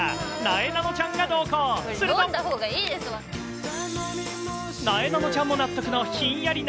なえなのちゃんも納得のひんやり